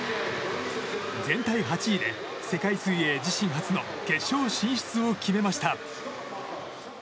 全体８で世界水泳自身初の決勝進出を決めました。